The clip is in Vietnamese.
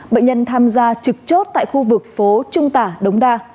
bệnh nhân tham gia trực chốt tại khu vực phố trung tả đống đa